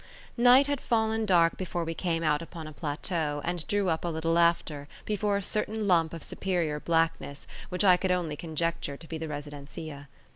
Night had fallen dark before we came out upon a plateau, and drew up a little after, before a certain lump of superior blackness which I could only conjecture to be the residencia.